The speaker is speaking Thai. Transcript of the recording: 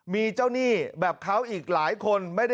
มีเจ้าหนี้แบบเขาอีกหลายคน